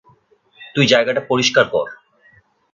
তুই জায়গাটা পরিষ্কার কর।